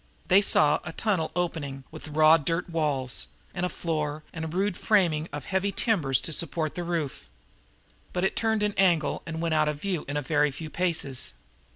They saw a tunnel opening, with raw dirt walls and floor and a rude framing of heavy timbers to support the roof. But it turned an angle and went out of view in a very few paces.